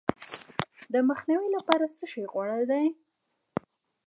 د مخنیوي لپاره څه شی غوره دي؟